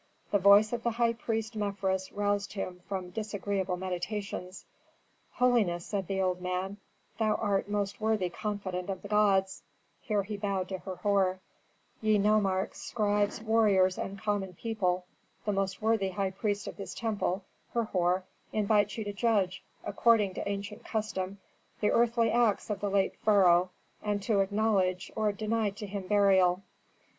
The voice of the high priest Mefres roused him from disagreeable meditations. "Holiness," said the old man; "thou most worthy confidant of the gods" (here he bowed to Herhor); "ye nomarchs, scribes, warriors, and common people, the most worthy high priest of this temple, Herhor, invites you to judge, according to ancient custom, the earthly acts of the late pharaoh, and to acknowledge or deny to him burial."